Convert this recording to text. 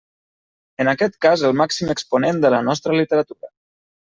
En aquest cas el màxim exponent de la nostra literatura.